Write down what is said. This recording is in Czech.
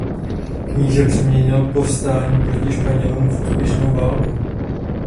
Kníže přeměnil povstání proti Španělům v úspěšnou válku.